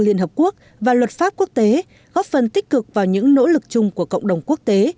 liên hợp quốc và luật pháp quốc tế góp phần tích cực vào những nỗ lực chung của cộng đồng quốc tế